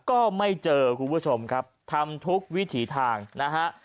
ก็ไม่เจอคุณผู้ชมครับทำทุกวิถีทางนะฮะ